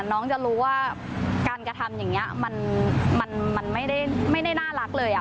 น้องจะรู้ว่าการกระทำอย่างนี้มันไม่ได้น่ารักเลย